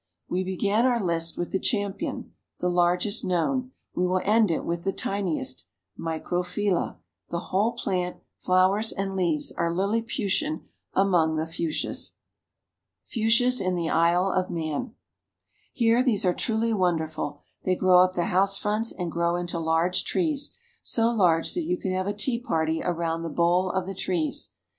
We began our list with the Champion the largest known we will end it with the tiniest, Microphylla, the whole plant, flowers and leaves are Liliputian among the Fuchsias. FUCHSIAS IN THE ISLE OF MAN. Here these are truly wonderful; they grow up the house fronts, and grow into large trees, so large that you can have a tea party around the bole of the trees.